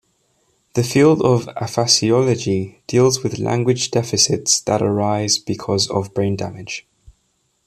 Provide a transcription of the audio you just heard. The field of aphasiology deals with language deficits that arise because of brain damage.